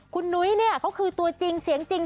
คุณนุ้ยเนี่ยเขาคือตัวจริงเสียงจริง